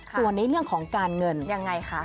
ส่วนในเรื่องของการเงินยังไงคะ